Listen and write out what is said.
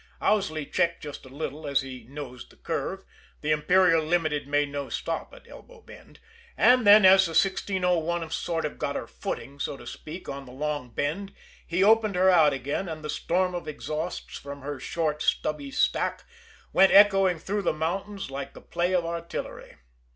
Owsley checked just a little as he nosed the curve the Imperial Limited made no stop at Elbow Bend and then, as the 1601 sort of got her footing, so to speak, on the long bend, he opened her out again, and the storm of exhausts from her short, stubby stack went echoing through the mountains like the play of artillery.